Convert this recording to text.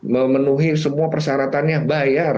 memenuhi semua persyaratannya bayar